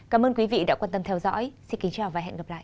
cảm ơn quý vị đã quan tâm theo dõi xin kính chào và hẹn gặp lại